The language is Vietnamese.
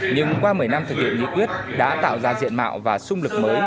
nhưng qua một mươi năm thực hiện nghị quyết đã tạo ra diện mạo và sung lực mới